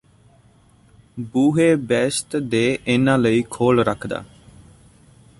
ਬੂਹੇ ਬਹਿਸ਼ਤ ਦੇ ਇਨ੍ਹਾਂ ਲਈ ਖੋਲ੍ਹ ਰੱਖਦਾ